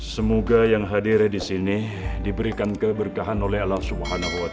semoga yang hadir di sini diberikan keberkahan oleh allah swt